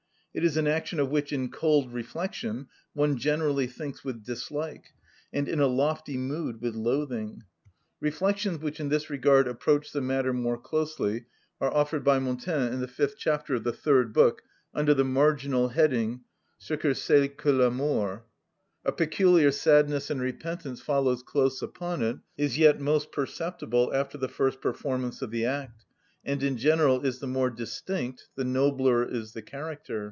It is an action of which in cold reflection one generally thinks with dislike, and in a lofty mood with loathing. Reflections which in this regard approach the matter more closely are offered by Montaigne in the fifth chapter of the third book, under the marginal heading: "Ce que c'est que l'amour." A peculiar sadness and repentance follows close upon it, is yet most perceptible after the first performance of the act, and in general is the more distinct the nobler is the character.